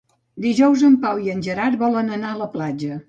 Dijous en Pau i en Gerard volen anar a la platja.